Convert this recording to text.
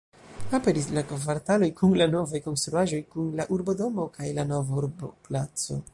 Aperis la kvartaloj kun la novaj konstruaĵoj kun la urbodomo kaj la nova urboplaco.